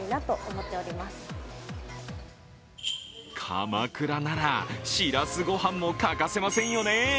鎌倉なら、しらすごはんも欠かせませんよね。